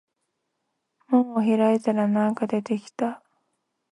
門を開いたら何か出てきた